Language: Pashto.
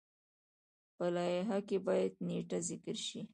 په لایحه کې باید نیټه ذکر شي.